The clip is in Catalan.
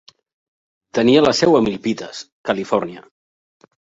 Tenia la seu a Milpitas, Califòrnia.